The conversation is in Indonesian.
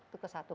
itu ke satu